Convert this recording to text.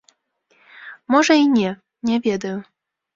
Можа, і не, не ведаю.